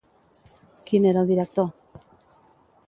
Qui n'era el director?